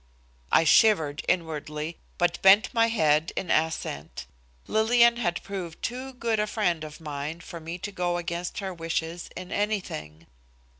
I shivered inwardly, but bent my head in assent. Lillian had proved too good a friend of mine for me to go against her wishes in anything.